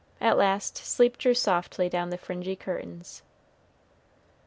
At last sleep drew softly down the fringy curtains.